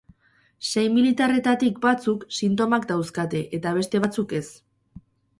Sei militarretatik batzuk sintomak dauzkate eta beste batzuek ez.